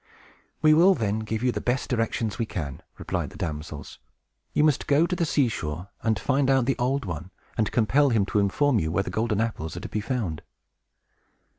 "We will then give you the best directions we can," replied the damsels. "You must go to the sea shore, and find out the Old One, and compel him to inform you where the golden apples are to be found."